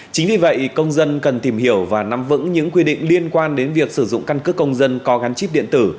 chính vì vậy công dân cần tìm hiểu và nắm vững những quy định liên quan đến việc sử dụng căn cước công dân có gắn chip điện tử